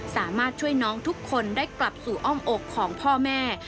สามารถช่วยน้องทุกคนได้กลับสู่อ้อมอกของพ่อแม่